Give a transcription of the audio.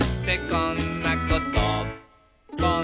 「こんなこと」